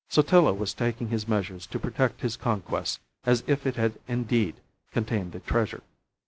Sotillo was taking his measures to protect his conquest as if it had indeed contained the treasure.